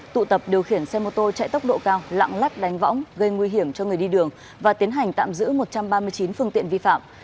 tụ tập điều khiển xe mô tô chạy tốc độ cao lạng lách đánh võng gây nguy hiểm cho người đi đường và tiến hành tạm giữ một trăm ba mươi chín phương tiện vi phạm